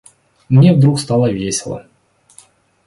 Мне вдруг стало весело!